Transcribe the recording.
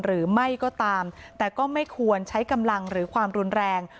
หรือไม่ก็ตามแต่ก็ไม่ควรใช้กำลังหรือความรุนแรง